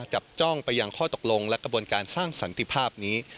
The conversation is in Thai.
จับจ้องไปยังข้อตกลงและกระบวนการสร้างสันติภาพนี้